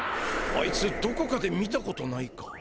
あいつどこかで見たことないか？